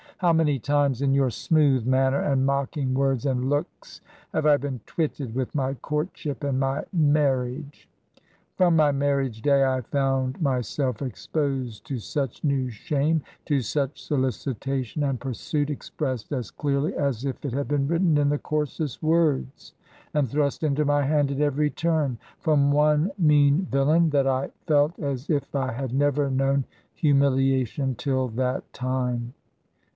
How many times in your smooth manner and mocking words and looks have I been twitted with my courtship and my marriage? ... From my marriage day I found myself exposed to such new shame — to such solicitation and pursuit (expressed as clearly as if it had been writ ten in the coarsest words, and thrust into my hand at every turn) from one mean villain, that I felt as if I had never known humiliation till that time.